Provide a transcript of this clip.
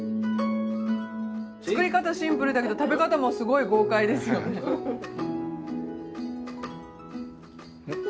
作り方シンプルだけど食べ方もすごい豪快ですよね。